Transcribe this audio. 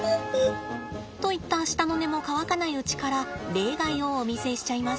といった舌の根も乾かないうちから例外をお見せしちゃいます。